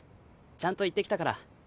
ちゃんと言ってきたから。